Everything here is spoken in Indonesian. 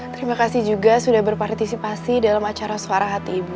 terima kasih juga sudah berpartisipasi dalam acara suara hati ibu